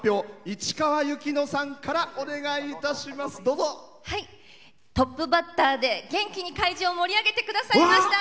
市川由紀乃さんからトップバッターで、元気に盛り上げてくださいました